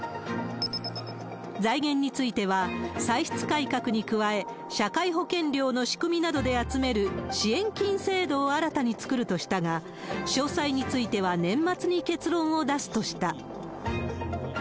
財源については、歳出改革に加え、社会保険料の仕組みなどで集める支援金制度を新たに作るとしたが、詳細については年末に結論を出すとした。